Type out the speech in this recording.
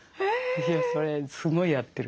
それすごいやってる。